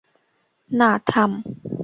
না, থাম!